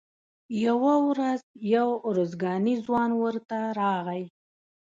یوه ورځ یو ارزګانی ځوان ورته راغی.